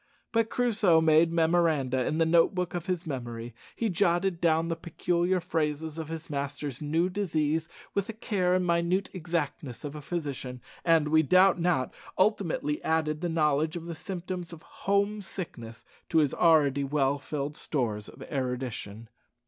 But Crusoe made memoranda in the note book of his memory. He jotted down the peculiar phases of his master's new disease with the care and minute exactness of a physician, and, we doubt not, ultimately added the knowledge of the symptoms of home sickness to his already well filled stores of erudition.